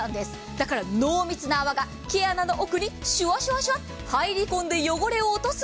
だから濃密な泡が毛穴のシュワシュワシュワ、入り込んで汚れを落とす。